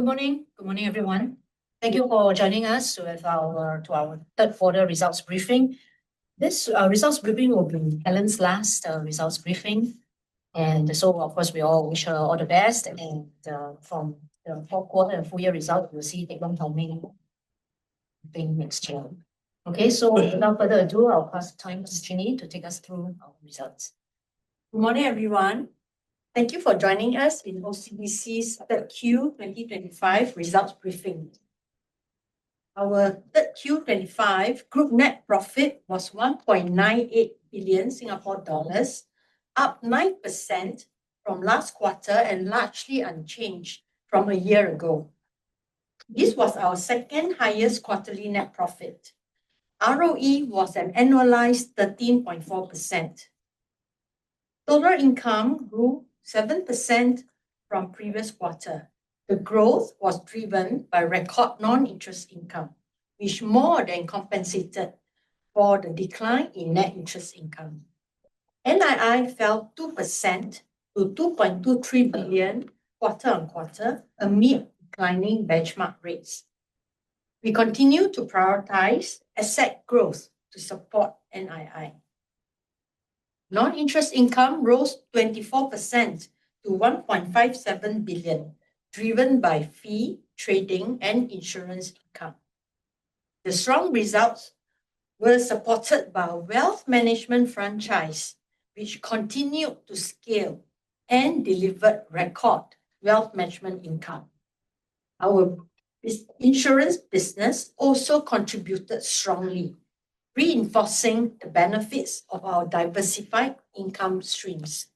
Good morning. Good morning, everyone. Thank you for joining us with our third quarter results briefing. This results briefing will be Helen's last results briefing. And so, of course, we all wish her all the best. And from the fourth quarter and full year results, we will see Teck Long Tan next year. Okay, so without further ado, I'll pass the time to Chin Yee to take us through our results. Good morning, everyone. Thank you for joining us in OCBC's 3Q 2025 results briefing. Our 3Q 2025 group net profit was 1.98 billion Singapore dollars, up 9% from last quarter and largely unchanged from a year ago. This was our second highest quarterly net profit. ROE was an annualized 13.4%. Total income grew 7% from previous quarter. The growth was driven by record non-interest income, which more than compensated for the decline in net interest income. NII fell 2% to 2.23 billion quarter on quarter amid declining benchmark rates. We continue to prioritize asset growth to support NII. Non-interest income rose 24% to 1.57 billion, driven by fee, trading, and insurance income. The strong results were supported by a wealth management franchise, which continued to scale and delivered record wealth management income. Our insurance business also contributed strongly, reinforcing the benefits of our diversified income streams.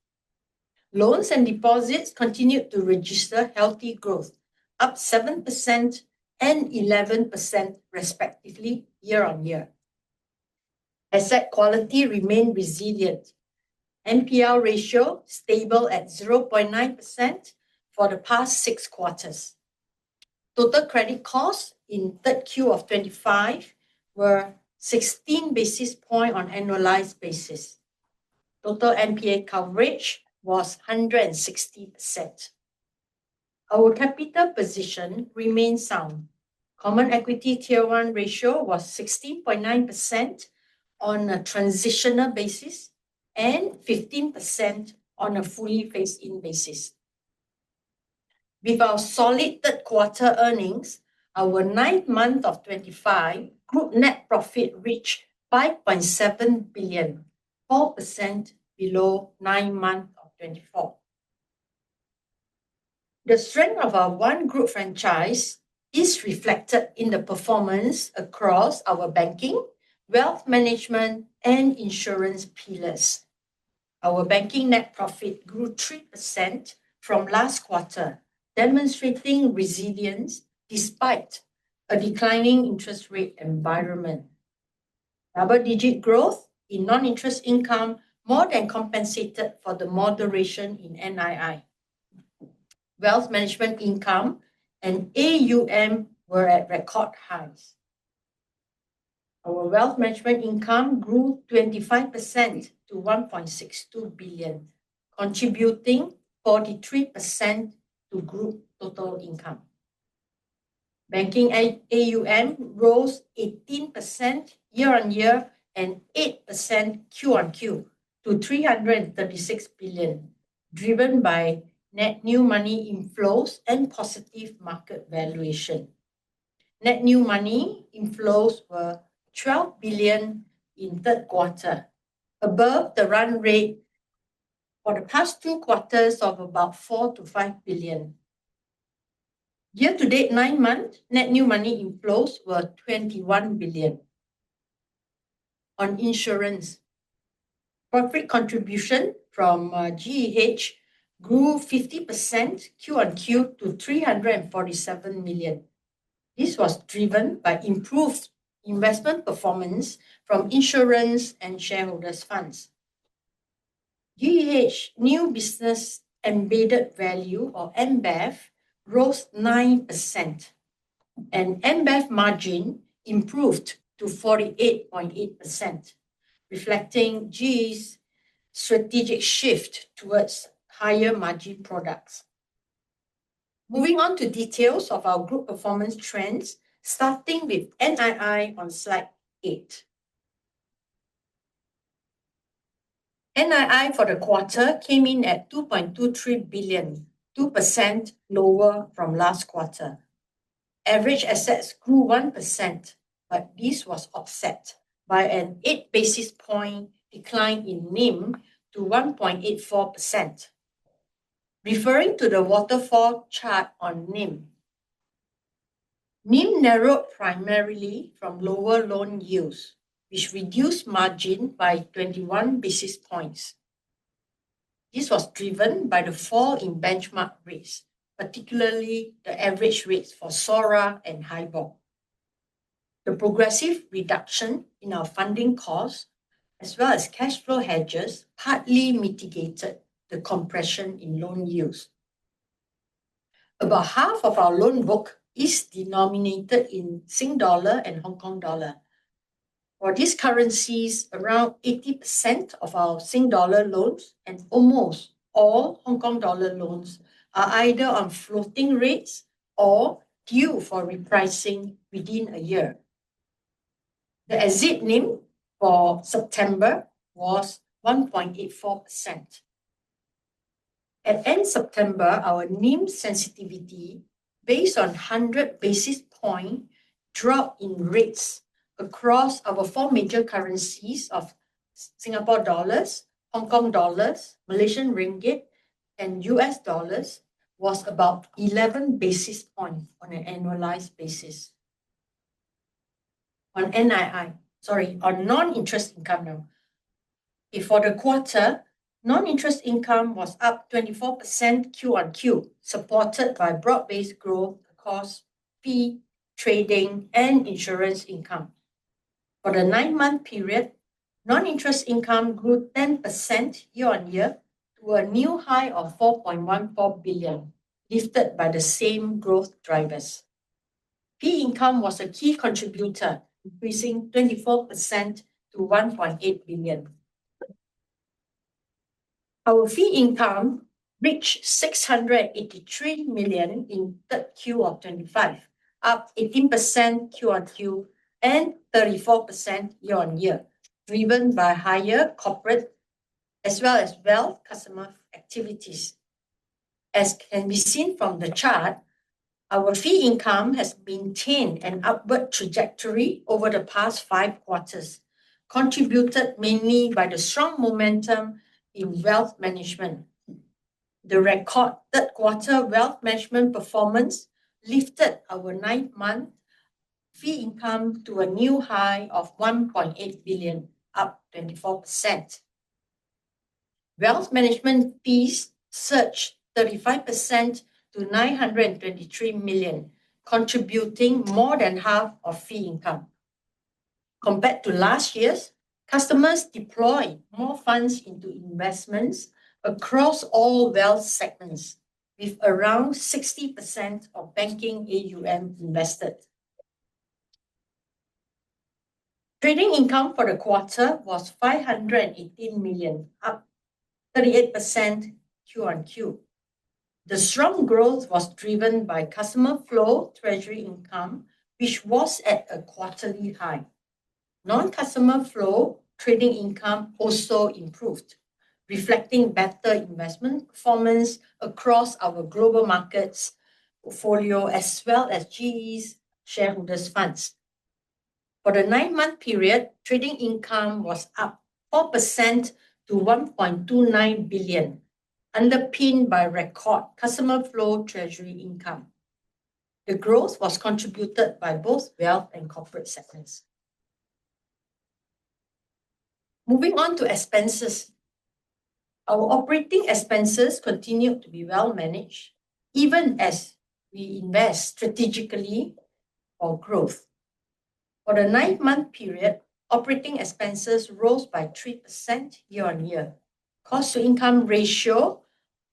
Loans and deposits continued to register healthy growth, up 7% and 11% respectively year-on-year. Asset quality remained resilient. NPL ratio stable at 0.9% for the past six quarters. Total credit costs in 3Q 2025 were 16 basis points on annualized basis. Total NPA coverage was 160%. Our capital position remained sound. Common Equity Tier 1 ratio was 16.9% on a transitional basis and 15% on a fully phased-in basis. With our solid third quarter earnings, our 9M of 2025 group net profit reached 5.7 billion, 4% below 9M of 2024. The strength of our One Group franchise is reflected in the performance across our banking, wealth management, and insurance pillars. Our banking net profit grew 3% from last quarter, demonstrating resilience despite a declining interest rate environment. Double-digit growth in non-interest income more than compensated for the moderation in NII. Wealth management income and AUM were at record highs. Our wealth management income grew 25% to 1.62 billion, contributing 43% to group total income. Banking AUM rose 18% year-on-year and 8% Q-on-Q to 336 billion, driven by net new money inflows and positive market valuation. Net new money inflows were 12 billion in third quarter, above the run rate for the past two quarters of about 4 to 5 billion. Year-to-date nine-month net new money inflows were 21 billion. On insurance, corporate contribution from GEH grew 50% Q-on-Q to 347 million. This was driven by improved investment performance from insurance and shareholders' funds. GEH new business embedded value, or NBEV, rose 9%, and NBEV margin improved to 48.8%, reflecting GE's strategic shift towards higher margin products. Moving on to details of our group performance trends, starting with NII on slide eight. NII for the quarter came in at 2.23 billion, 2% lower from last quarter. Average assets grew 1%, but this was offset by an eight basis point decline in NIM to 1.84%. Referring to the waterfall chart on NIM, NIM narrowed primarily from lower loan yields, which reduced margin by 21 basis points. This was driven by the fall in benchmark rates, particularly the average rates for SORA and HIBOR. The progressive reduction in our funding costs, as well as cash flow hedges, partly mitigated the compression in loan yields. About half of our loan book is denominated in SGD and HKD. For these currencies, around 80% of our SGD loans and almost all HKD loans are either on floating rates or due for repricing within a year. The exit NIM for September was 1.84%. At end September, our NIM sensitivity based on 100 basis point drop in rates across our four major currencies of SGD, HKD, MYR, and USD was about 11 basis points on an annualized basis. On NII, sorry, on non-interest income now. For the quarter, non-interest income was up 24% Q-on-Q, supported by broad-based growth across fee, trading, and insurance income. For the nine-month period, non-interest income grew 10% year-on-year to a new high of 4.14 billion, lifted by the same growth drivers. Fee income was a key contributor, increasing 24% to 1.8 billion. Our fee income reached 683 million in 3Q 2025, up 18% Q-on-Q and 34% year-on-year, driven by higher corporate as well as wealth customer activities. As can be seen from the chart, our fee income has maintained an upward trajectory over the past five quarters, contributed mainly by the strong momentum in wealth management. The record third quarter wealth management performance lifted our 9M fee income to a new high of 1.8 billion, up 24%. Wealth management fees surged 35% to 923 million, contributing more than half of fee income. Compared to last year's, customers deployed more funds into investments across all wealth segments, with around 60% of banking AUM invested. Trading income for the quarter was 518 million, up 38% Q-on-Q. The strong growth was driven by customer flow treasury income, which was at a quarterly high. Non-customer flow trading income also improved, reflecting better investment performance across our Global Markets portfolio, as well as GE's shareholders' funds. For the nine-month period, trading income was up 4% to 1.29 billion, underpinned by record customer flow treasury income. The growth was contributed by both wealth and corporate segments. Moving on to expenses. Our operating expenses continued to be well managed, even as we invest strategically for growth. For the nine-month period, operating expenses rose by 3% year-on-year. Cost-to-income ratio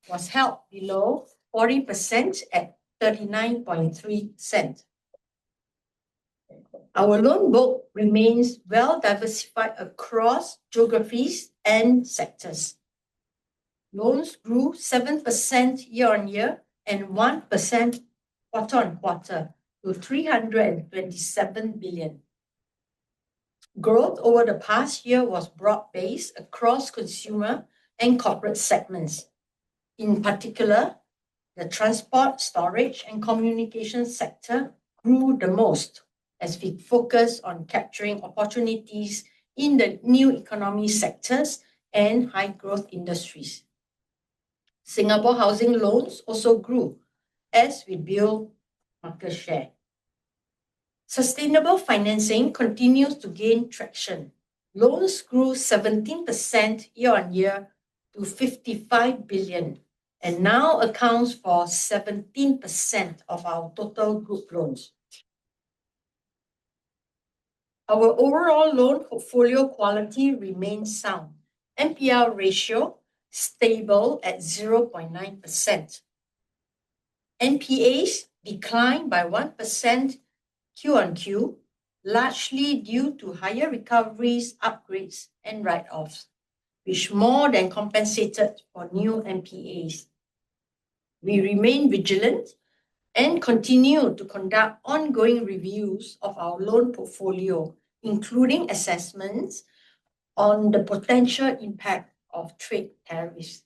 was held below 40% at 39.3%. Our loan book remains well diversified across geographies and sectors. Loans grew 7% year-on-year and 1% quarter on quarter to 327 billion. Growth over the past year was broad-based across consumer and corporate segments. In particular, the transport, storage, and communication sector grew the most as we focused on capturing opportunities in the new economy sectors and high-growth industries. Singapore housing loans also grew as we built market share. Sustainable financing continues to gain traction. Loans grew 17% year-on-year to 55 billion, and now accounts for 17% of our total group loans. Our overall loan portfolio quality remains sound. NPL ratio stable at 0.9%. NPAs declined by 1% Q-on-Q, largely due to higher recoveries, upgrades, and write-offs, which more than compensated for new NPAs. We remain vigilant and continue to conduct ongoing reviews of our loan portfolio, including assessments on the potential impact of trade tariffs.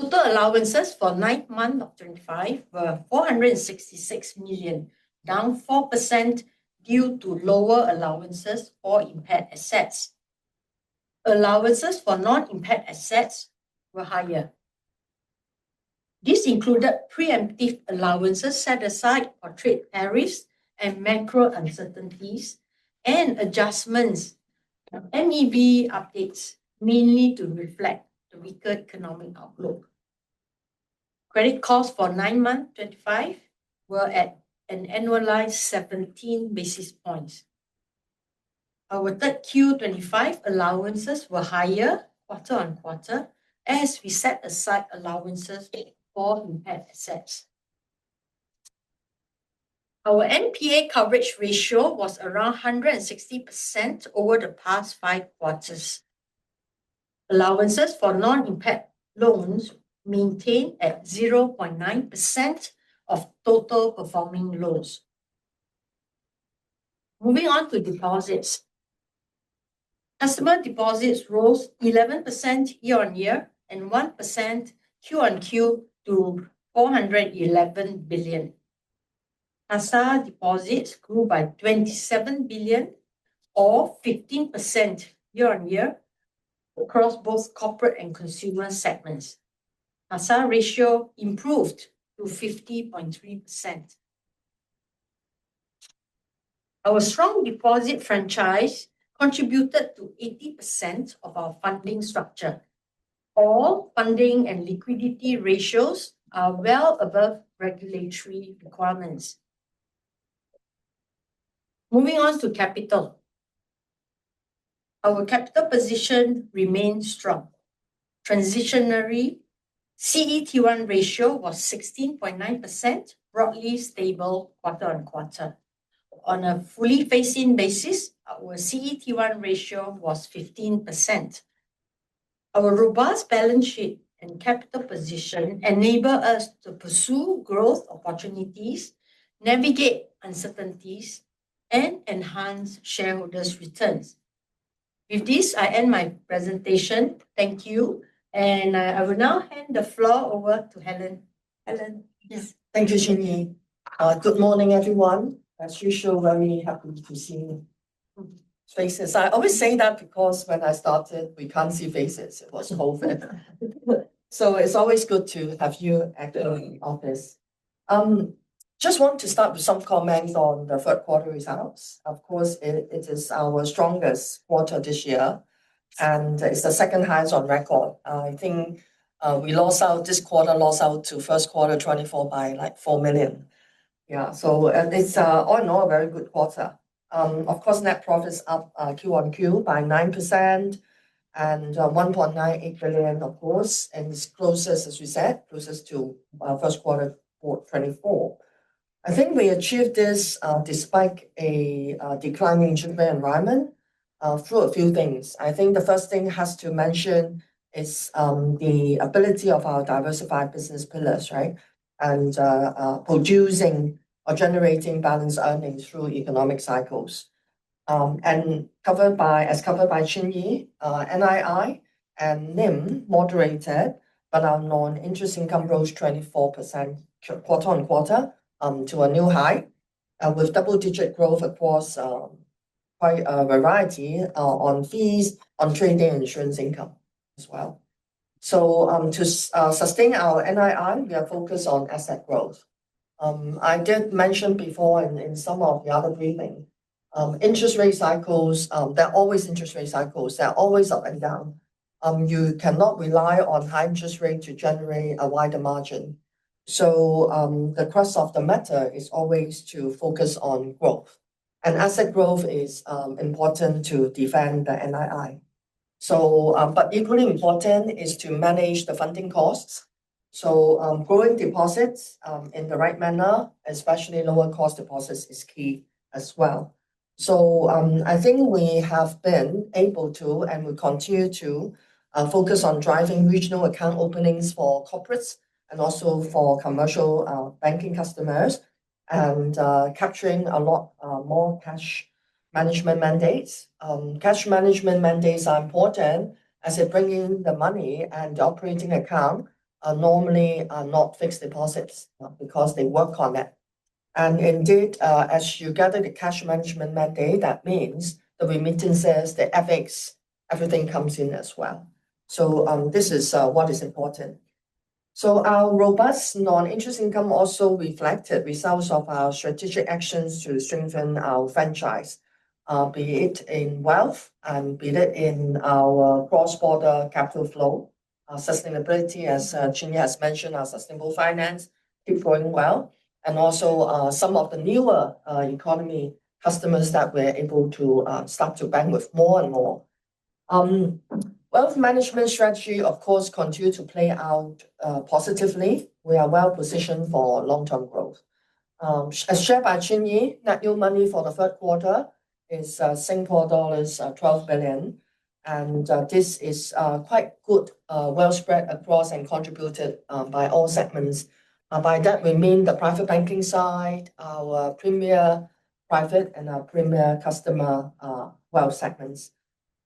Total allowances for 9M of 2025 were 466 million, down 4% due to lower allowances for impaired assets. Allowances for non-impaired assets were higher. This included preemptive allowances set aside for trade tariffs and macro uncertainties, and adjustments for macroeconomic variables updates mainly to reflect the weaker economic outlook. Credit costs for nine months 2025 were at an annualized 17 basis points. Our Q3 2025 allowances were higher quarter on quarter as we set aside allowances for impaired assets. Our NPA coverage ratio was around 160% over the past five quarters. Allowances for non-impaired loans maintained at 0.9% of total performing loans. Moving on to deposits. Customer deposits rose 11% year-on-year and 1% Q-on-Q to 411 billion. CASA deposits grew by 27 billion, or 15% year-on-year across both corporate and consumer segments. CASA ratio improved to 50.3%. Our strong deposit franchise contributed to 80% of our funding structure. All funding and liquidity ratios are well above regulatory requirements. Moving on to capital. Our capital position remained strong. Transitional CET1 ratio was 16.9%, broadly stable quarter on quarter. On a fully phased-in basis, our CET1 ratio was 15%. Our robust balance sheet and capital position enable us to pursue growth opportunities, navigate uncertainties, and enhance shareholders' returns. With this, I end my presentation. Thank you, and I will now hand the floor over to Helen. Helen. Yes. Thank you, Chin Yee. Good morning, everyone. As usual, very happy to see your faces. I always say that because when I started, we can't see faces. It was COVID. So it's always good to have you at the office. Just want to start with some comments on the third quarter results. Of course, it is our strongest quarter this year, and it's the second highest on record. I think we lost out this quarter, lost out to first quarter 2024 by like 4 million. Yeah. So it's all in all a very good quarter. Of course, net profit is up Q-on-Q by 9% and 1.98 billion, of course, and it's closest, as we said, closest to first quarter 2024. I think we achieved this despite a declining rate environment through a few things. I think the first thing has to mention is the ability of our diversified business pillars, right, and producing or generating balanced earnings through economic cycles, and covered by, as covered by Chin Yee, NII and NIM moderated, but our non-interest income rose 24% quarter on quarter to a new high with double-digit growth across quite a variety on fees, on trading, insurance income as well, so to sustain our NII, we are focused on asset growth. I did mention before and in some of the other briefing, interest rate cycles, they're always interest rate cycles. They're always up and down. You cannot rely on high interest rate to generate a wider margin, so the crux of the matter is always to focus on growth, and asset growth is important to defend the NII. But equally important is to manage the funding costs. So growing deposits in the right manner, especially lower-cost deposits, is key as well. So I think we have been able to, and we continue to, focus on driving regional account openings for corporates and also for commercial banking customers and capturing a lot more cash management mandates. Cash management mandates are important as they bring in the money, and the operating account normally are not fixed deposits because they work on it. And indeed, as you gather the cash management mandate, that means the remittances, the FX, everything comes in as well. So this is what is important. So our robust non-interest income also reflected results of our strategic actions to strengthen our franchise, be it in wealth and be it in our cross-border capital flow. Sustainability, as Chin Yee has mentioned, our sustainable finance keeps going well, and also some of the newer economy customers that we're able to start to bank with more and more. Wealth management strategy, of course, continues to play out positively. We are well positioned for long-term growth. As shared by Chin Yee, net new money for the third quarter is Singapore dollars 12 billion, and this is quite good, well spread across and contributed by all segments. By that, we mean the Private Banking side, our Premier Private and our Premier customer wealth segments.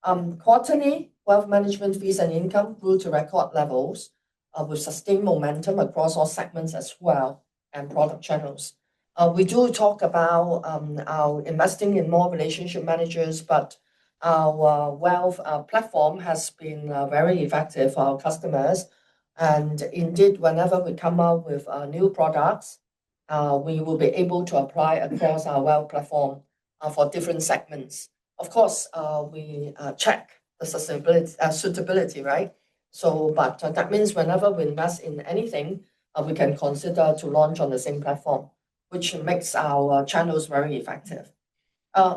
Quarterly, Wealth management fees and income grew to record levels. We sustained momentum across all segments as well and product channels. We do talk about our investing in more relationship managers, but our wealth platform has been very effective for our customers. And indeed, whenever we come up with new products, we will be able to apply across our wealth platform for different segments. Of course, we check the suitability, right? But that means whenever we invest in anything, we can consider to launch on the same platform, which makes our channels very effective.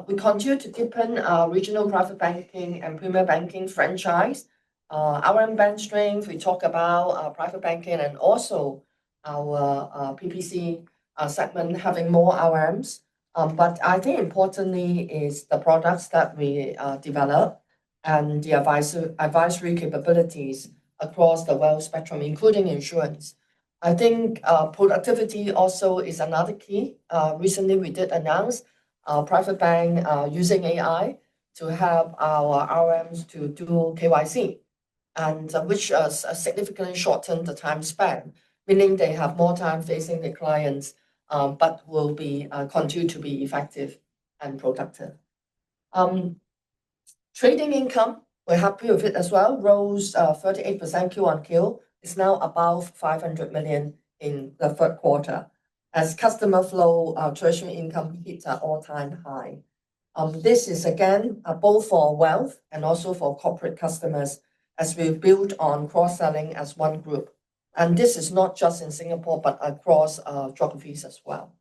We continue to deepen our regional Private Banking and Premier Banking franchise, RM base strength. We talk about Private Banking and also our PPC segment having more RMs. But I think importantly is the products that we develop and the advisory capabilities across the wealth spectrum, including insurance. I think productivity also is another key. Recently, we did announce Private Banking using AI to help our RMs to do KYC, which significantly shortened the time span, meaning they have more time facing their clients, but will continue to be effective and productive. Trading income, we're happy with it as well. Rose 38% Q-on-Q is now above 500 million in the third quarter as customer flow treasury income hits an all-time high. This is again both for wealth and also for corporate customers as we build on cross-selling as One Group. And this is not just in Singapore, but across geographies as well.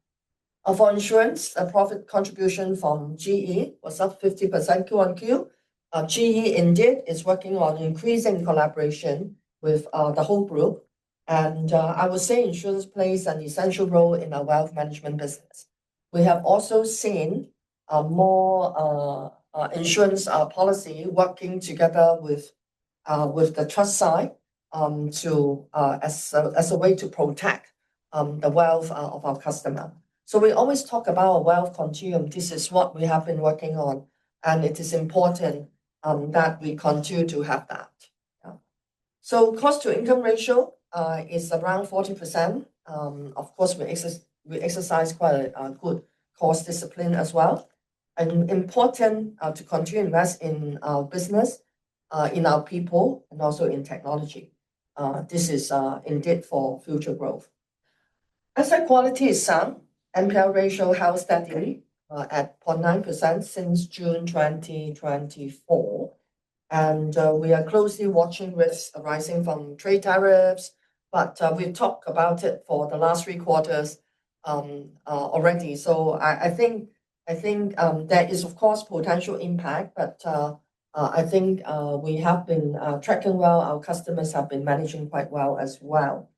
For insurance, the profit contribution from GE was up 50% Q-on-Q. GE indeed is working on increasing collaboration with the whole group. And I would say insurance plays an essential role in our Wealth management business. We have also seen more insurance policy working together with the trust side as a way to protect the wealth of our customer. So we always talk about a wealth continuum. This is what we have been working on, and it is important that we continue to have that. Cost-to-Income Ratio is around 40%. Of course, we exercise quite a good cost discipline as well. Important to continue to invest in our business, in our people, and also in technology. This is indeed for future growth. Asset quality is sound. NPL ratio held steadily at 0.9% since June 2024. We are closely watching risks arising from trade tariffs, but we talked about it for the last three quarters already. I think there is, of course, potential impact, but I think we have been tracking well. Our customers have been managing quite well as well.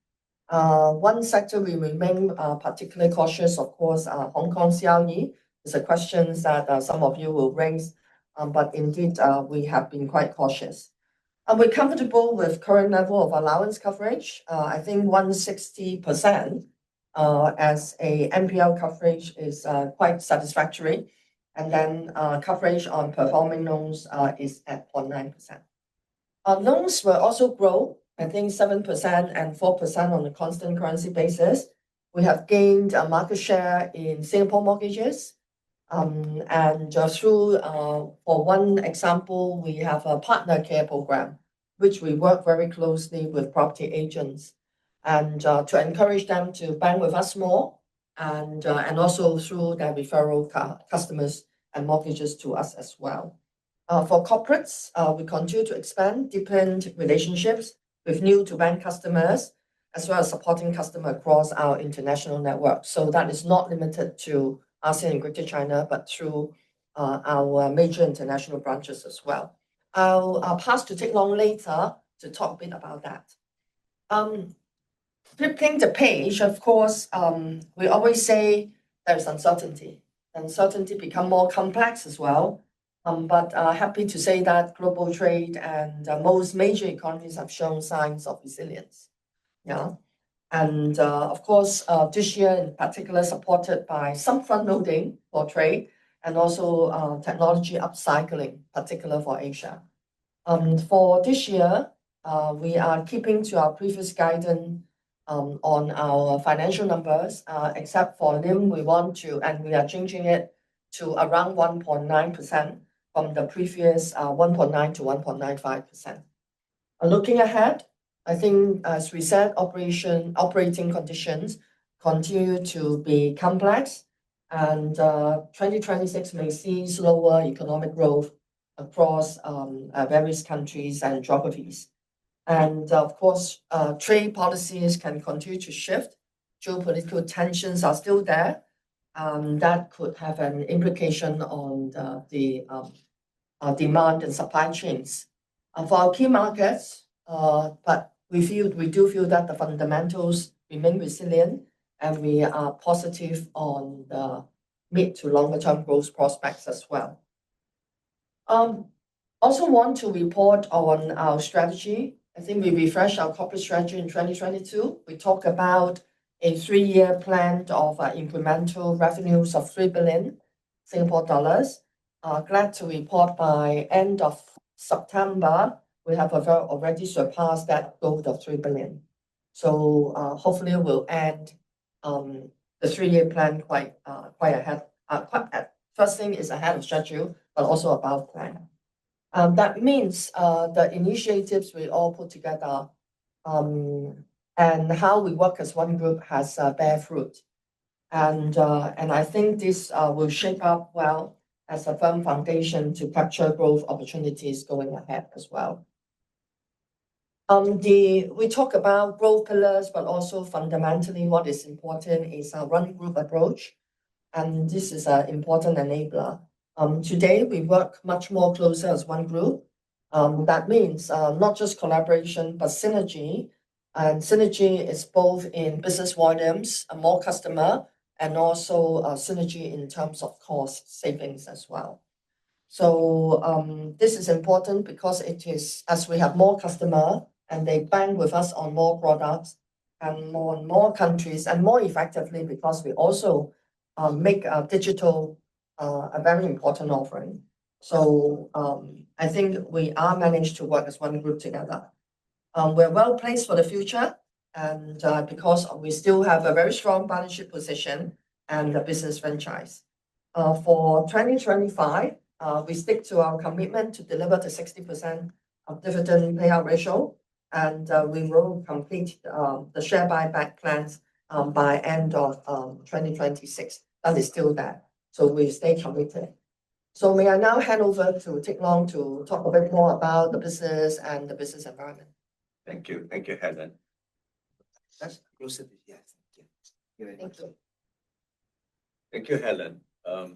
One sector we remain particularly cautious. Of course, Hong Kong property is a question that some of you will raise. Indeed, we have been quite cautious. We're comfortable with current level of allowance coverage. I think 160% as an NPL coverage is quite satisfactory. Then coverage on performing loans is at 0.9%. Loans will also grow, I think 7% and 4% on a constant currency basis. We have gained a market share in Singapore mortgages. For one example, we have a PartnerCare program, which we work very closely with property agents to encourage them to bank with us more and also through their referral customers and mortgages to us as well. For corporates, we continue to expand, deepen relationships with new-to-bank customers, as well as supporting customers across our international network. That is not limited to ASEAN and Greater China, but through our major international branches as well. I'll pause to take Teck Long later to talk a bit about that. Flipping the page, of course, we always say there is uncertainty. Uncertainty becomes more complex as well. But happy to say that global trade and most major economies have shown signs of resilience. And of course, this year in particular, supported by some frontloading for trade and also technology upcycling, particularly for Asia. For this year, we are keeping to our previous guidance on our financial numbers, except for NIM, we want to, and we are changing it to around 1.9% from the previous 1.9% to 1.95%. Looking ahead, I think, as we said, operating conditions continue to be complex, and 2026 may see slower economic growth across various countries and geographies. And of course, trade policies can continue to shift due to political tensions that are still there. That could have an implication on the demand and supply chains. For our key markets, but we do feel that the fundamentals remain resilient, and we are positive on the mid to longer-term growth prospects as well. Also want to report on our strategy. I think we refreshed our corporate strategy in 2022. We talked about a three-year plan of incremental revenues of 3 billion Singapore dollars. Glad to report by end of September, we have already surpassed that goal of 3 billion. So hopefully, we'll add the three-year plan quite ahead. First thing is ahead of schedule, but also above plan. That means the initiatives we all put together and how we work as One Group has bear fruit. And I think this will shape up well as a firm foundation to capture growth opportunities going ahead as well. We talk about growth pillars, but also fundamentally, what is important is a one-group approach. And this is an important enabler. Today, we work much more closer as One Group. That means not just collaboration, but synergy. And synergy is both in business volumes, more customers, and also synergy in terms of cost savings as well. So this is important because it is, as we have more customers and they bank with us on more products and more and more countries and more effectively because we also make digital a very important offering. So I think we are managed to work as One Group together. We're well placed for the future because we still have a very strong partnership position and the business franchise. For 2025, we stick to our commitment to deliver the 60% dividend payout ratio, and we will complete the share buyback plans by end of 2026. That is still there. So we stay committed. So may I now hand over to Teck Long to talk a bit more about the business and the business environment? Thank you. Thank you, Helen. Yes. Thank you. Thank you, Helen. I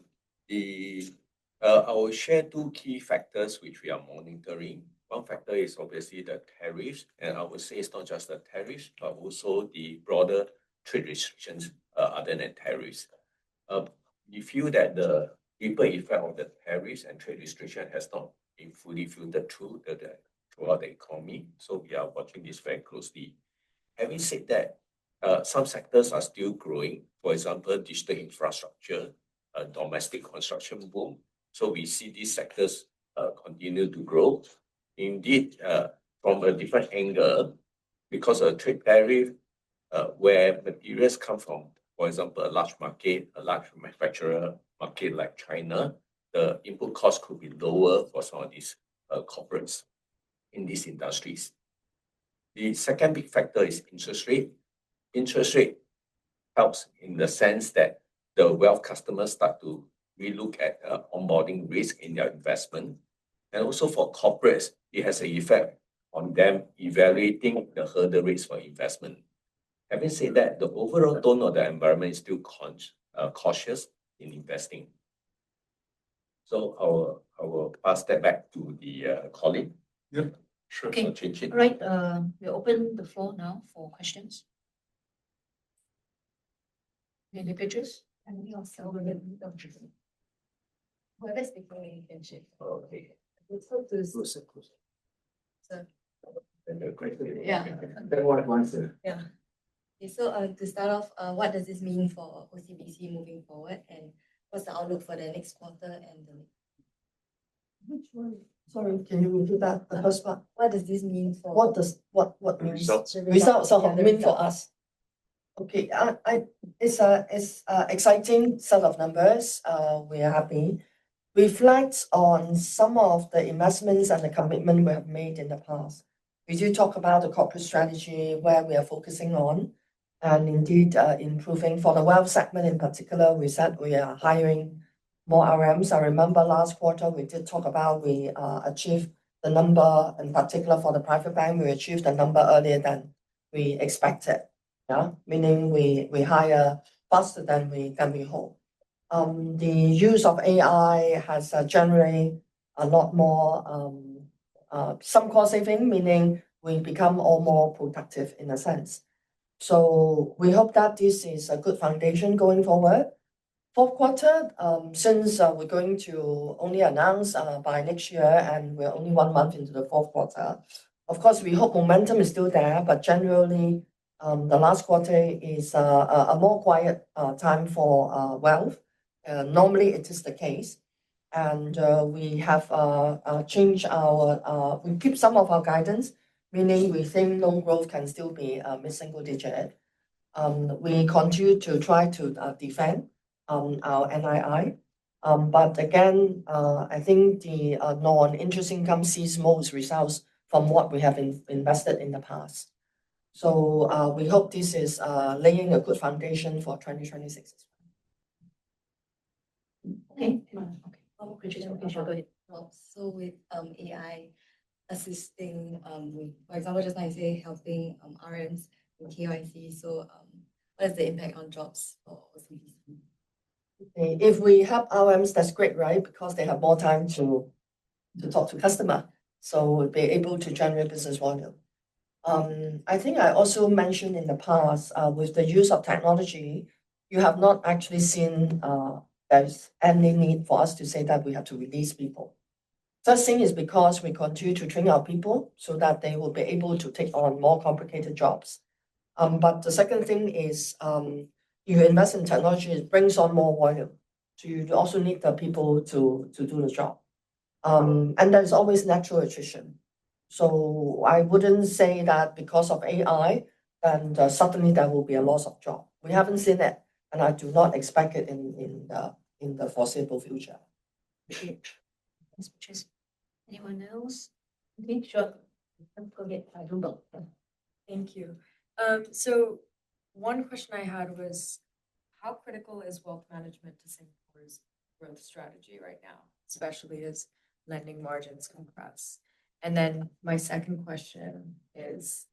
will share two key factors which we are monitoring. One factor is obviously the tariffs, and I would say it's not just the tariffs, but also the broader trade restrictions other than tariffs. We feel that the ripple effect of the tariffs and trade restrictions has not been fully filtered through the economy. So we are watching this very closely. Having said that, some sectors are still growing. For example, digital infrastructure, domestic construction boom. So we see these sectors continue to grow. Indeed, from a different angle, because of the trade tariff, where materials come from, for example, a large market, a large manufacturer market like China, the input cost could be lower for some of these corporates in these industries. The second big factor is interest rate. Interest rate helps in the sense that the wealth customers start to relook at onboarding risk in their investment. And also for corporates, it has an effect on them evaluating the hurdle rates for investment. Having said that, the overall tone of the environment is still cautious in investing. So I will pass that back to the colleague. Yeah. Sure. Right. We'll open the floor now for questions. Any questions? Any of the... Okay. Yeah. So to start off, what does this mean for OCBC moving forward? And what's the outlook for the next quarter and the... Sorry, can you repeat that? The first part. What do the results mean for us. Okay. It's an exciting set of numbers. We are happy. It reflects on some of the investments and the commitment we have made in the past. We do talk about the corporate strategy where we are focusing on and indeed improving. For the wealth segment in particular, we said we are hiring more RMs. I remember last quarter, we did talk about we achieved the number in particular for the private bank. We achieved the number earlier than we expected, meaning we hire faster than we hoped. The use of AI has generated a lot more some cost saving, meaning we become all more productive in a sense. So we hope that this is a good foundation going forward. Fourth quarter, since we're going to only announce by next year and we're only one month into the fourth quarter, of course, we hope momentum is still there, but generally, the last quarter is a more quiet time for wealth. Normally, it is the case, and we have changed our... We keep some of our guidance, meaning we think non-growth can still be a single digit. We continue to try to defend our NII. But again, I think the non-interest income sees most results from what we have invested in the past. So we hope this is laying a good foundation for 2026 as well. Okay. Okay. So with AI assisting, for example, just now you say helping RMs and KYC, so what is the impact on jobs for OCBC? If we help RMs, that's great, right? Because they have more time to talk to customers. So they're able to generate business volume. I think I also mentioned in the past, with the use of technology, you have not actually seen there's any need for us to say that we have to release people. First thing is because we continue to train our people so that they will be able to take on more complicated jobs. But the second thing is you invest in technology, it brings on more volume. So you also need the people to do the job. And there's always natural attrition. So I wouldn't say that because of AI, then suddenly there will be a loss of job. We haven't seen it, and I do not expect it in the foreseeable future. Anyone else? Okay. Sure. Go ahead. Thank you. So one question I had was, how critical is wealth management to Singapore's growth strategy right now, especially as lending margins compress? And then my second question is,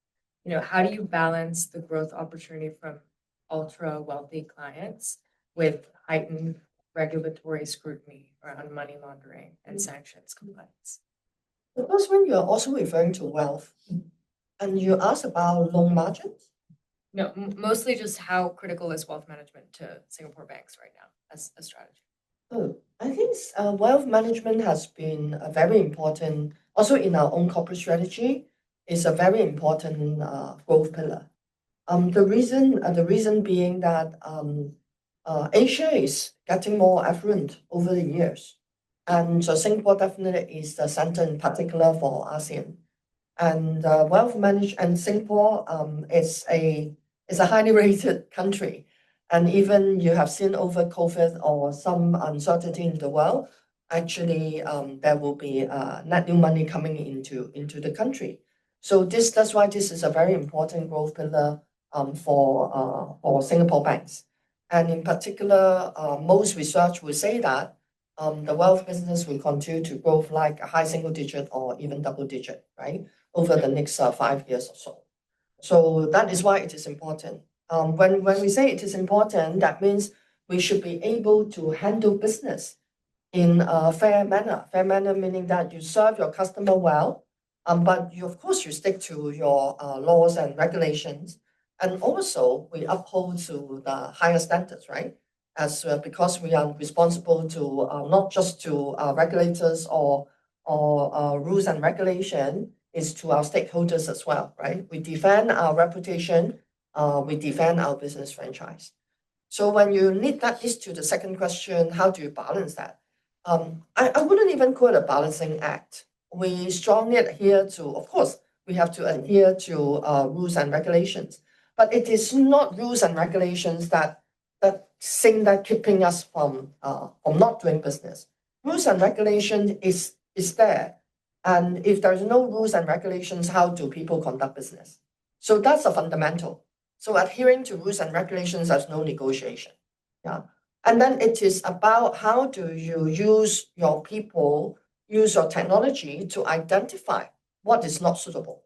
how do you balance the growth opportunity from ultra-wealthy clients with heightened regulatory scrutiny around money laundering and sanctions compliance? The first one, you're also referring to wealth. You asked about loan margins? No. Mostly just how critical is wealth management to Singapore banks right now as a strategy? I think wealth management has been very important also in our own corporate strategy. It's a very important growth pillar. The reason being that Asia is getting more affluent over the years. And so Singapore definitely is the center in particular for ASEAN. And Singapore is a highly rated country. And even you have seen over COVID or some uncertainty in the world, actually, there will be net new money coming into the country. So that's why this is a very important growth pillar for Singapore banks. And in particular, most research will say that the wealth business will continue to grow like a high single digit or even double digit, right, over the next five years or so. So that is why it is important. When we say it is important, that means we should be able to handle business in a fair manner. Fair manner meaning that you serve your customer well, but of course, you stick to your laws and regulations. And also, we uphold to the higher standards, right? Because we are responsible not just to regulators or rules and regulations, it's to our stakeholders as well, right? We defend our reputation. We defend our business franchise. So when you need that, this to the second question, how do you balance that? I wouldn't even call it a balancing act. We strongly adhere to, of course, we have to adhere to rules and regulations. But it is not rules and regulations that seem that keeping us from not doing business. Rules and regulations are there. And if there are no rules and regulations, how do people conduct business? So that's a fundamental. Adhering to rules and regulations, there's no negotiation. It is about how you use your people and technology to identify what is not suitable.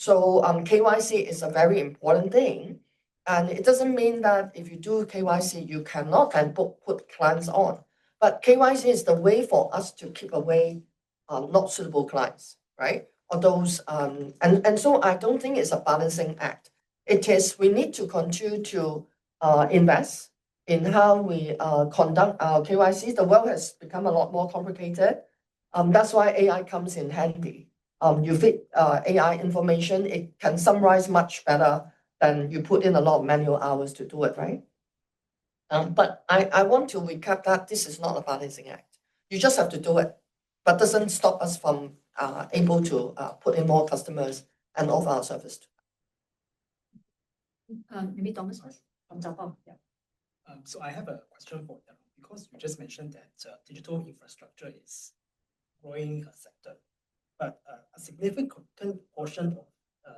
KYC is a very important thing. It doesn't mean that if you do KYC, you cannot then put clients on. KYC is the way for us to keep away not suitable clients, right? I don't think it's a balancing act. We need to continue to invest in how we conduct our KYC. The world has become a lot more complicated. That's why AI comes in handy. You feed AI information; it can summarize much better than putting in a lot of manual hours to do it, right? I want to recap that this is not a balancing act. You just have to do it. But it doesn't stop us from able to put in more customers and offer our service too. Maybe Thomas first? Yeah. So I have a question for you because you just mentioned that digital infrastructure is a growing sector. But a significant portion of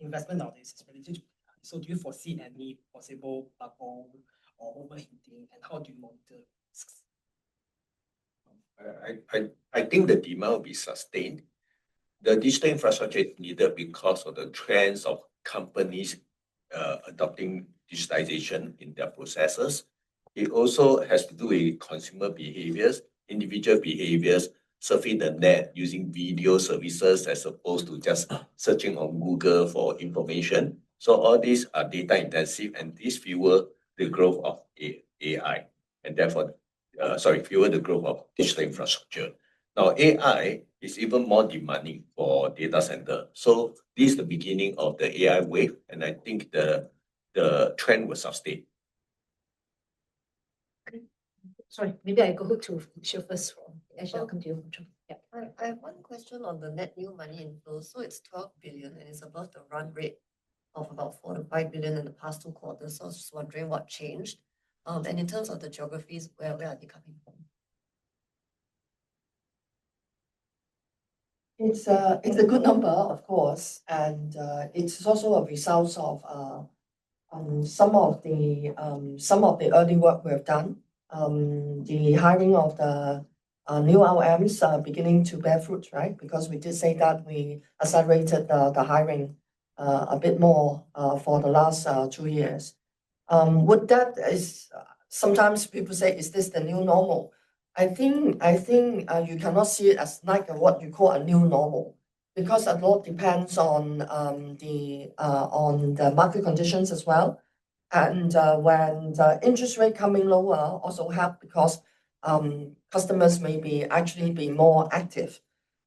investment nowadays is related to AI. So do you foresee any possible bubble or overheating? And how do you monitor risks? I think the demand will be sustained. The digital infrastructure is needed because of the trends of companies adopting digitization in their processes. It also has to do with consumer behaviors, individual behaviors, surfing the net using video services as opposed to just searching on Google for information. So all these are data-intensive, and these fuel the growth of AI. And therefore, sorry, fuel the growth of digital infrastructure. Now, AI is even more demanding for data centers. So this is the beginning of the AI wave. And I think the trend will sustain. Sorry, maybe I go to as well. I have one question on the net new money inflow. So it's 12 billion, and it's above the run rate of about 4-5 billion in the past two quarters. So I was just wondering what changed. And in terms of the geographies, where are they coming from? It's a good number, of course. And it's also a result of some of the early work we have done. The hiring of the new RMs is beginning to bear fruit, right? Because we did say that we accelerated the hiring a bit more for the last two years. Sometimes people say, is this the new normal? I think you cannot see it as like what you call a new normal because a lot depends on the market conditions as well, and when the interest rate comes in lower, it also helps because customers may actually be more active,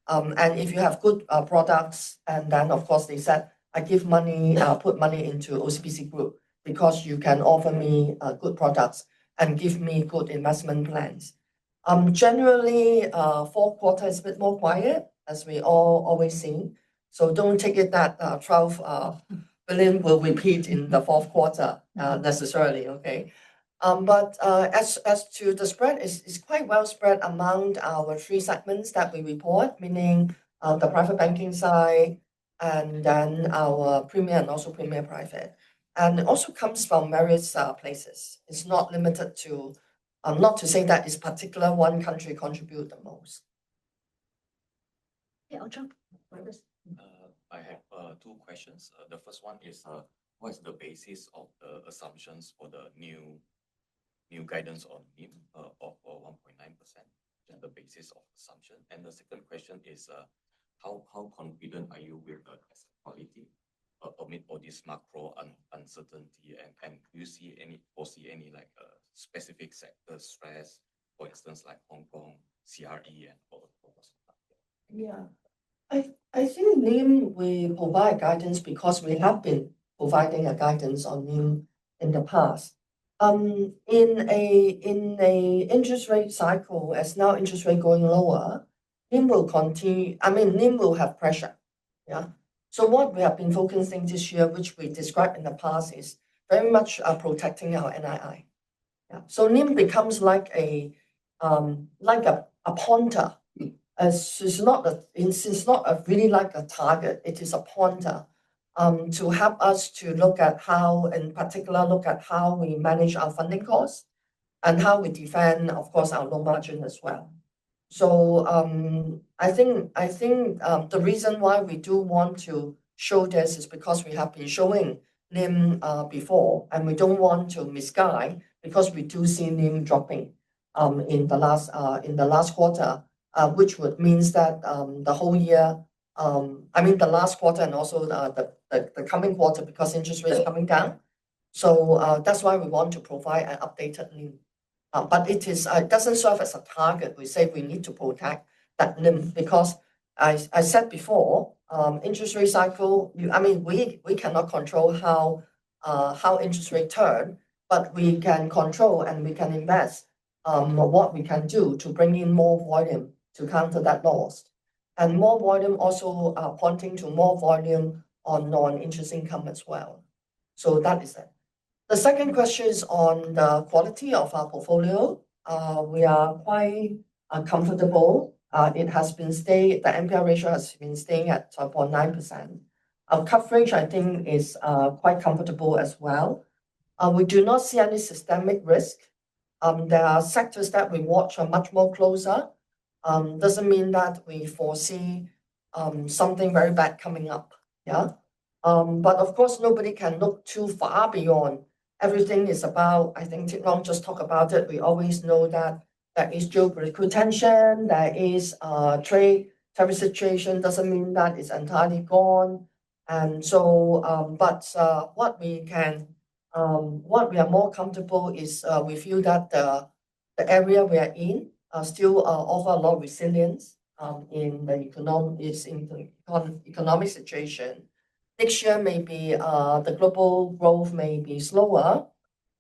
and if you have good products, and then, of course, they said, I give money, put money into OCBC Group because you can offer me good products and give me good investment plans. Generally, fourth quarter is a bit more quiet, as we all always see, so don't take it that 12 billion will repeat in the fourth quarter necessarily, okay, but as to the spread, it's quite well spread among our three segments that we report, meaning the Private Banking side and then our premier and also premier private, and it also comes from various places. It's not limited to say that it's particular one country contributes the most. I have two questions. The first one is, what is the basis of the assumptions for the new guidance on 1.9% and the basis of assumption? And the second question is, how confident are you with the quality amid all this macro uncertainty? And do you see any specific sector stress, for instance, like Hong Kong, CRE, and all those? Yeah. I think NIM will provide guidance because we have been providing guidance on NIM in the past. In an interest rate cycle, as now interest rates are going lower, NIM will continue. I mean, NIM will have pressure. Yeah. What we have been focusing on this year, which we described in the past, is very much protecting our NII. So NIM becomes like a pointer. It's not really like a target. It is a pointer to help us to look at how, in particular, look at how we manage our funding costs and how we defend, of course, our low margin as well. So I think the reason why we do want to show this is because we have been showing NIM before, and we don't want to misguide because we do see NIM dropping in the last quarter, which means that the whole year, I mean, the last quarter and also the coming quarter because interest rates are coming down. So that's why we want to provide an updated NIM. But it doesn't serve as a target. We say we need to protect that NIM because I said before, interest rate cycle. I mean, we cannot control how interest rates turn, but we can control and we can invest what we can do to bring in more volume to counter that loss. And more volume also pointing to more volume on non-interest income as well. So that is it. The second question is on the quality of our portfolio. We are quite comfortable. The NPL ratio has been staying at 1.9%. Our coverage, I think, is quite comfortable as well. We do not see any systemic risk. There are sectors that we watch are much more closer. Doesn't mean that we foresee something very bad coming up. Yeah. But of course, nobody can look too far beyond. Everything is about, I think, just talk about it. We always know that there is geopolitical tension. There is a trade situation. Doesn't mean that it's entirely gone. And so, but what we are more comfortable is we feel that the area we are in still offers a lot of resilience in the economic situation. Next year, maybe the global growth may be slower.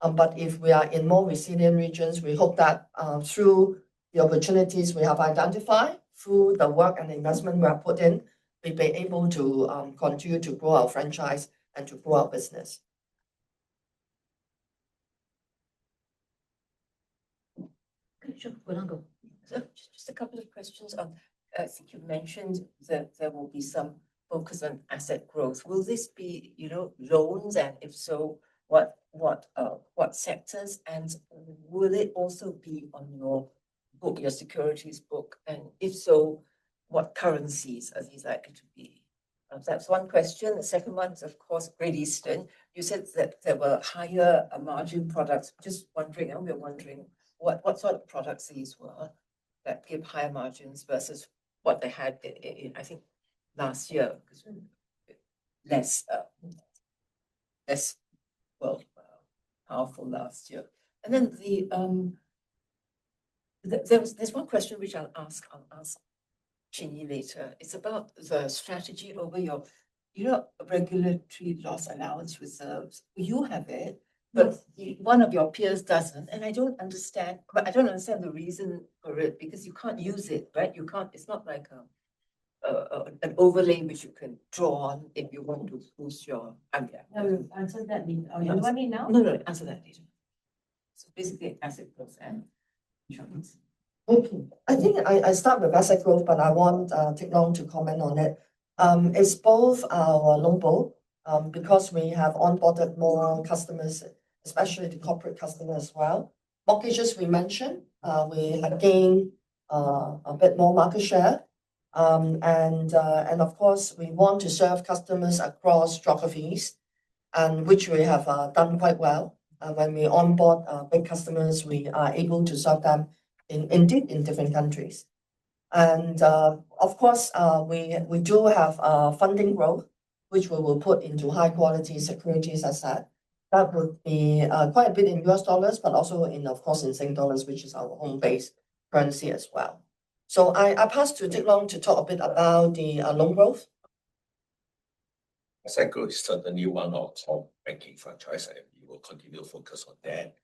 But if we are in more resilient regions, we hope that through the opportunities we have identified, through the work and the investment we have put in, we'll be able to continue to grow our franchise and to grow our business. Just a couple of questions. I think you've mentioned there will be some focus on asset growth. Will this be loans? And if so, what sectors? And will it also be on your book, your securities book? And if so, what currencies are these likely to be? That's one question. The second one is, of course, Great Eastern. You said that there were higher margin products. Just wondering, we were wondering what sort of products these were that give higher margins versus what they had, I think, last year because less powerful last year. And then there's one question which I'll ask Chin Yee later. It's about the strategy over your Regulatory Loss Allowance Reserves. You have it, but one of your peers doesn't. And I don't understand, but I don't understand the reason for it because you can't use it, right? It's not like an overlay which you can draw on if you want to boost your. Answer that. Do you want me now? No, no. Answer that later. So basically, asset growth and insurance. Okay. I think I start with asset growth, but I want to comment on it. It's both our low bull because we have onboarded more customers, especially the corporate customers as well. Mortgages we mentioned. We gain a bit more market share. Of course, we want to serve customers across geographies, which we have done quite well. When we onboard big customers, we are able to serve them indeed in different countries. Of course, we do have funding growth, which we will put into high-quality securities, as I said. That would be quite a bit in U.S. dollars, but also, of course, in Singapore dollars, which is our home base currency as well. So I pass to Teck Long to talk a bit about the loan growth. As I go to the new wholesale banking franchise, I will continue to focus on that.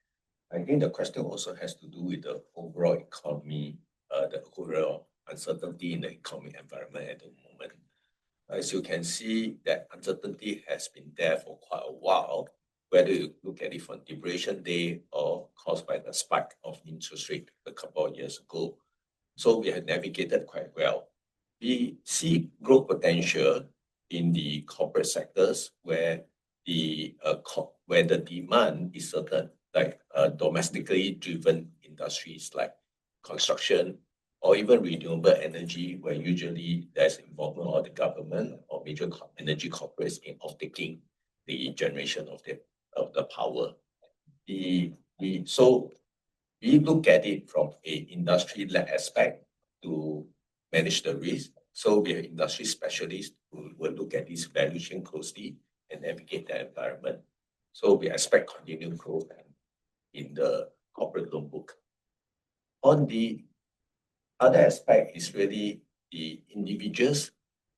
I think the question also has to do with the overall economy, the overall uncertainty in the economic environment at the moment. As you can see, that uncertainty has been there for quite a while, whether you look at it from liberation day or caused by the spike of interest rates a couple of years ago. So we have navigated quite well. We see growth potential in the corporate sectors where the demand is certain, like domestically driven industries like construction or even renewable energy, where usually there's involvement of the government or major energy corporates in offtaking the generation of the power. So we look at it from an industry-led aspect to manage the risk. So we have industry specialists who will look at these valuations closely and navigate the environment. So we expect continued growth in the corporate loan book. On the other aspect is really the individuals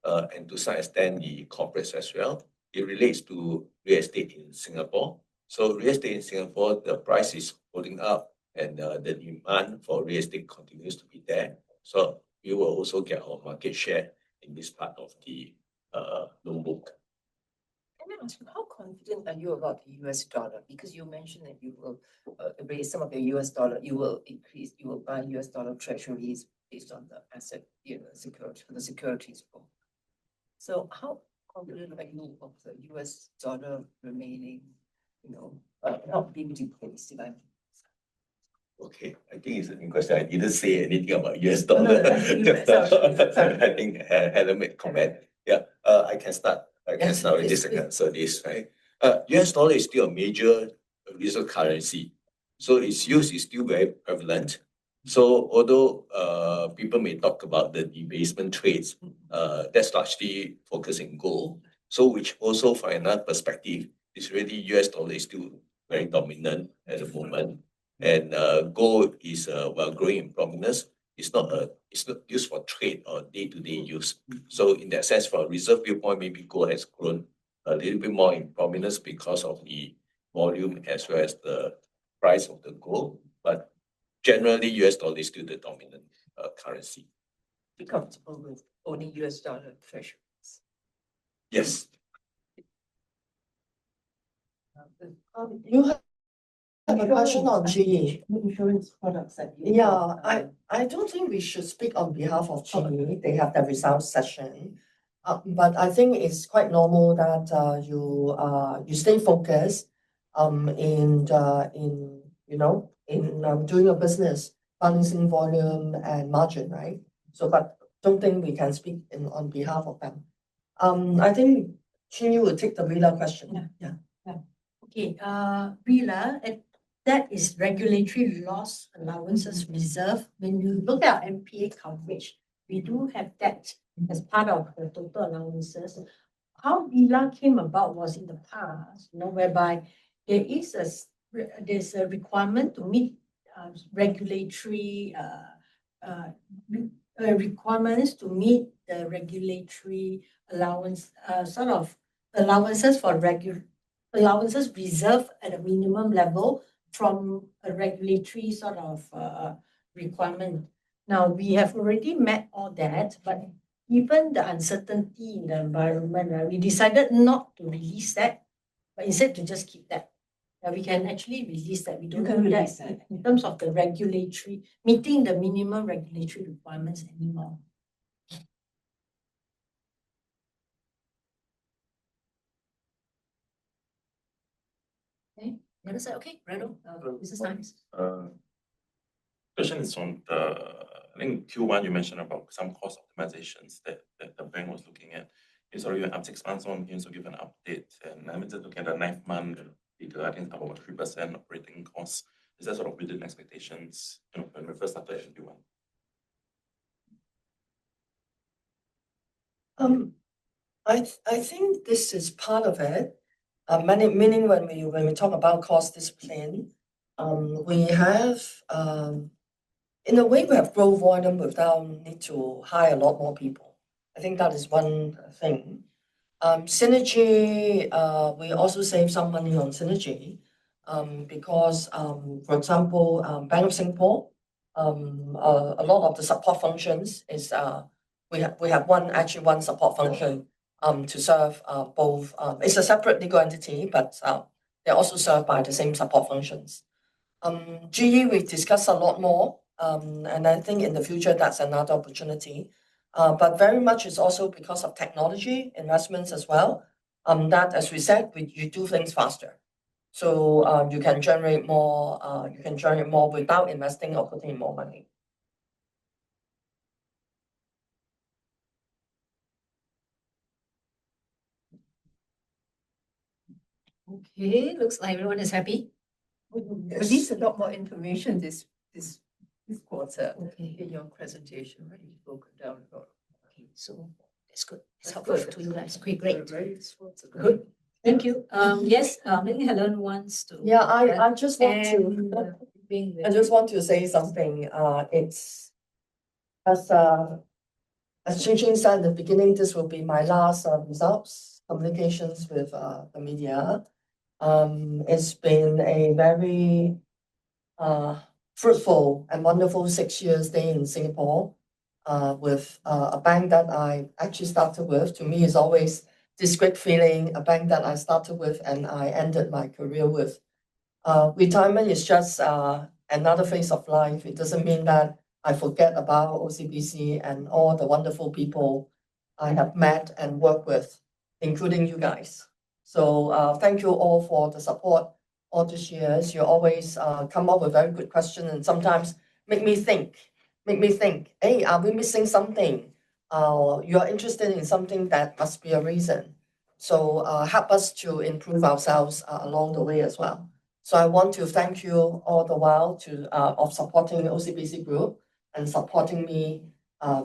and to some extent the corporates as well. It relates to real estate in Singapore. Real estate in Singapore, the price is holding up, and the demand for real estate continues to be there. So we will also get our market share in this part of the loan book. How confident are you about the U.S. dollar? Because you mentioned that you will raise some of the U.S. dollar, you will increase, you will buy U.S. dollar Treasuries based on the asset securities. So how confident are you of the U.S. dollar remaining, you know, not being depleted? Okay. I think it's a good question. I didn't say anything about U.S. dollar. I think Helen made a comment. Yeah. I can start. I can start in this second. So this, right? U.S. dollar is still a major reserve currency. So its use is still very prevalent. So although people may talk about the debasement trades, that's largely focusing on gold. So which also from another perspective, it's really U.S. dollar is still very dominant at the moment. And gold is, while growing in prominence, it's not used for trade or day-to-day use. So in that sense, from a reserve viewpoint, maybe gold has grown a little bit more in prominence because of the volume as well as the price of the gold. But generally, U.S. dollar is still the dominant currency. Be comfortable with owning U.S. dollar treasuries? Yes. Do you have a question on Chin Yee? Insurance products that you... Yeah. I don't think we should speak on behalf of Chin Yee. They have their results session. But I think it's quite normal that you stay focused in doing your business, balancing volume and margin, right? So but I don't think we can speak on behalf of them. I think Chin Yee will take the RLAR question. Yeah. Yeah. Yeah. Okay. RLAR, that is Regulatory Loss Allowance Reserve. When you look at our NPA coverage, we do have that as part of the total allowances. How RLAR came about was in the past, whereby there is a requirement to meet regulatory requirements to meet the regulatory allowance sort of allowances for allowances reserved at a minimum level from a regulatory sort of requirement. Now, we have already met all that, but given the uncertainty in the environment, we decided not to release that, but instead to just keep that. We can actually release that. We don't need that in terms of the regulatory meeting the minimum regulatory requirements anymore. Okay. Okay. Brendon, this is nice. Question is on the, I think Q1, you mentioned about some cost optimizations that the bank was looking at. It's already been six months on here, so give an update. I meant to look at the 9M. I think about 3% operating costs. Is that sort of within expectations when we first started MTP? I think this is part of it. Meaning when we talk about cost discipline, we have, in a way, we have growth volume without need to hire a lot more people. I think that is one thing. Synergy, we also save some money on synergy because, for example, Bank of Singapore, a lot of the support functions is we have one, actually one support function to serve both. It's a separate legal entity, but they're also served by the same support functions. GE, we discuss a lot more. I think in the future, that's another opportunity. Very much is also because of technology investments as well. That, as we said, you do things faster. So you can generate more; you can generate more without investing or putting in more money. Okay. Looks like everyone is happy. You released a lot more information this quarter in your presentation. Okay. So that's good. That's helpful for you guys. Okay. Great. Good. Thank you. Yes. Maybe Helen wants to. Yeah. I just want to. I just want to say something. It's a changing of the guard at the beginning. This will be my last results communications with the media. It's been a very fruitful and wonderful six years staying in Singapore with a bank that I actually started with. To me, it's always this great feeling, a bank that I started with and I ended my career with. Retirement is just another phase of life. It doesn't mean that I forget about OCBC and all the wonderful people I have met and worked with, including you guys. Thank you all for the support all these years. You always come up with very good questions and sometimes make me think, make me think, "Hey, are we missing something?" You are interested in something that must be a reason. Help us to improve ourselves along the way as well. I want to thank you all the while for supporting OCBC Group and supporting me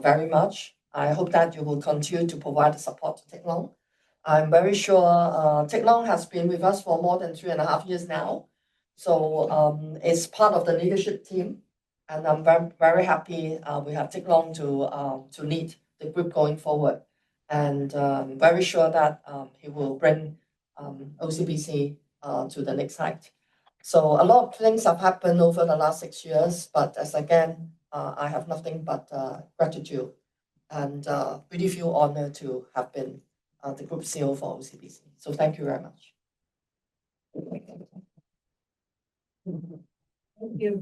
very much. I hope that you will continue to provide the support to Teck Long. I'm very sure Teck Long has been with us for more than three and a half years now. He is part of the leadership team. I'm very, very happy we have Teck Long to lead the group going forward. I'm very sure that he will bring OCBC to the next height. So a lot of things have happened over the last six years, but again, I have nothing but gratitude. And really feel honored to have been the Group CEO for OCBC. So thank you very much. Thank you.